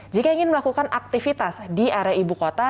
jika ingin melakukan aktivitas di area ibu kota